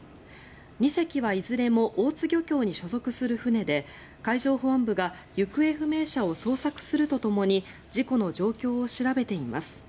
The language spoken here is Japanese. ２隻はいずれも大津漁協に所属する船で海上保安部が行方不明者を捜索するとともに事故の状況を調べています。